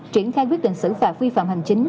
triển khai quyết định xử phạt vi phạm hành chính